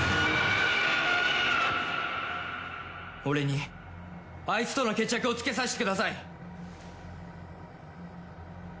俺にアイツとの決着をつけさせてください！